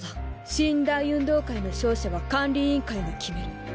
神・大運動会の勝者は管理委員会が決める。